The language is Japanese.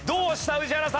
宇治原さん。